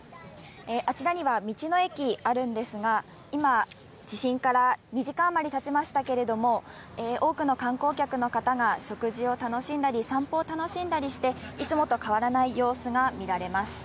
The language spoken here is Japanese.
あちらには道の駅あるんですが、今、地震から２時間余りたちましたけれども、多くの観光客の方が食事を楽しんだり、散歩を楽しんだりして、いつもと変わらない様子が見られます。